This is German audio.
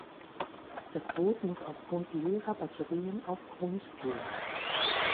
Das Boot muss aufgrund leerer Batterien auf Grund gehen.